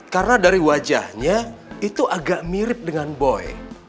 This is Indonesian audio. karena dari wajahnya itu agak mirip dengan boy